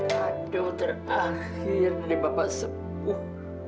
aduh terakhir nih bapak sepuh